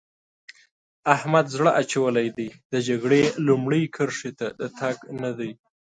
احمد زړه اچولی دی؛ د جګړې لومړۍ کرښې ته د تګ نه دی.